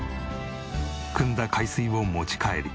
くんだ海水を持ち帰り